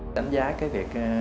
đánh giá cái việc